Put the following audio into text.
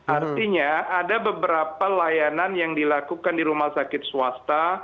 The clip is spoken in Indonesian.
artinya ada beberapa layanan yang dilakukan di rumah sakit swasta